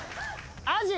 アジ。